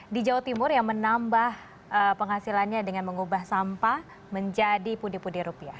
di jawa timur yang menambah penghasilannya dengan mengubah sampah menjadi pundi pundi rupiah